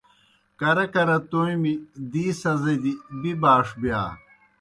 کرہ کرہ تومیْ دی سزِدیْ بِبَاݜ بِیا۔